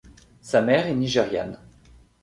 Sa mère est nigériane.